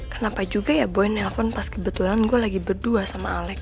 kenapa juga ya boy nelfon pas kebetulan gue lagi berdua sama alex